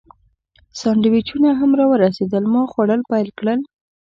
سانډویچونه هم راورسېدل، ما خوړل پیل کړل.